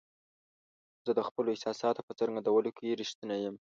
زه د خپلو احساساتو په څرګندولو کې رښتینی یم.